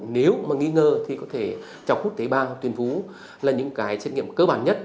nếu mà nghi ngờ thì có thể chọc hút tế bàng hoặc tuyên vú là những cái truyền nghiệm cơ bản nhất